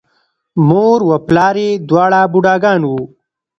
مور و پلار یې دواړه بوډاګان وو،